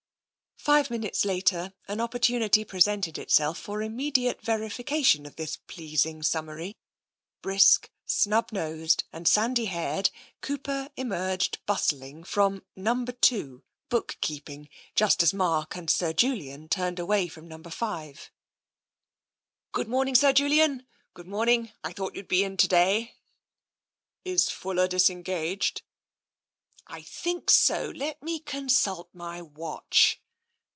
Five minutes later an opportunity presented itself for immediate verification of this pleasing summary. Brisk, snub nosed and sandy haired, Cooper emerged bustling from " No. II., Book keeping," just as Mark and Sir Julian turned away from No. V. " Good morning. Sir Julian. Good morning. I thought you'd be in to day." i8 TENSION U a Is Fuller disengaged ?" I think so — let me consult my watch."